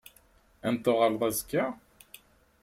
Ad n-tuɣaleḍ azekka?